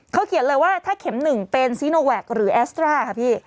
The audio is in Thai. เขาเขียนเลยว่าถ้าเข็มหนึ่งเป็นซีโนแวคหรือแอสตราค่ะพี่